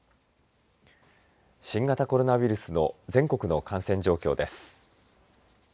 新型コロナウイルスの全国の感染状況です。